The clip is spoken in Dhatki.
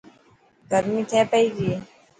گرمي ٿي پئي ڪي.